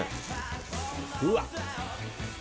うわっ